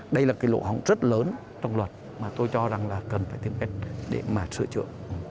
đây là cái lỗ hỏng rất lớn trong luật mà tôi cho rằng là cần phải tìm cách để mà sửa chữa